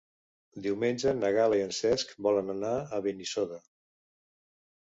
Diumenge na Gal·la i en Cesc volen anar a Benissoda.